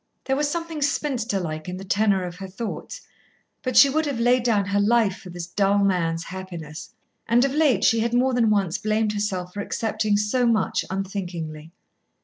There was something spinster like in the tenor of her thoughts. But she would have laid down her life for this dull man's happiness. And of late she had more than once blamed herself for accepting so much, unthinkingly.